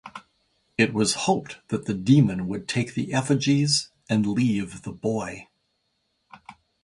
It was hoped that the demon would take the effigies and leave the boy.